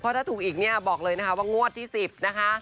ถ้าถูกอีกเนี่ยบอกเลยนะคะว่างวดที่๑๐นะคะ